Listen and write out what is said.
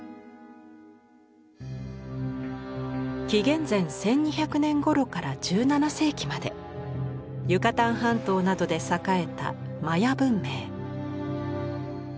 紀元前１２００年ごろから１７世紀までユカタン半島などで栄えたマヤ文明。